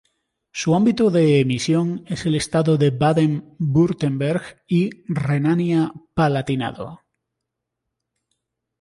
Su ámbito de emisión es el estado de Baden-Wurtemberg y Renania-Palatinado.